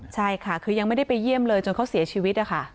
ใช่ค่ะคือยังไม่ได้ไปเยี่ยมเลยจนเขาเสียชีวิตนะคะ